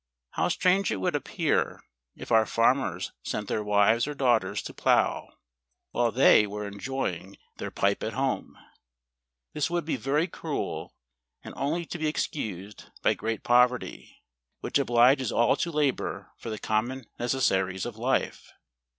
How strange it would ap¬ pear, if our farmers sent their wives or daughters to plough, while they were enjoying their pipe / 24 SWEDEN.. at home. This would be very cruel, and only to be excused by great poverty, which obliges all to labour for the common necessaries of life.